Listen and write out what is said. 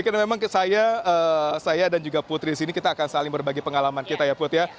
karena memang saya dan putri di sini kita akan saling berbagi pengalaman kita ya put ya